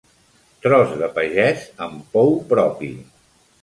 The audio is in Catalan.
Tros de pagès amb pou propi.